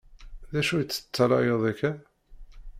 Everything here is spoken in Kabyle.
D acu i teṭallayeḍ akka?